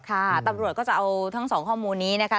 ค่ะตำรวจก็จะเอาทั้งสองข้อมูลนี้นะคะ